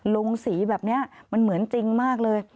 ลงสีแบบนี้มันเหมือนจริงมากเลย